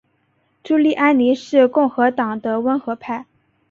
朱利安尼是共和党的温和派。